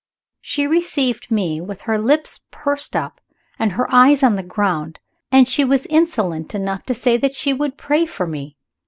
She received me with her lips pursed up, and her eyes on the ground, and she was insolent enough to say that she would pray for me.